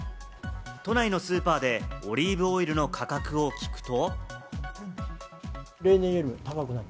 都内のスーパーでオリーブオイルの価格を聞くと。